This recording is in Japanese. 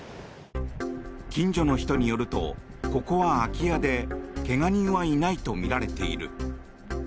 近所の人によるとここは空き家で怪我人はいないとみられている。